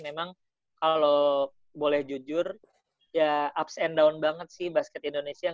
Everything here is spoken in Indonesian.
memang kalau boleh jujur ya ups and down banget sih basket indonesia